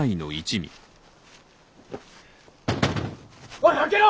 おい開けろ！